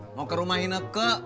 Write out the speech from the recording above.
mau ke rumah ineko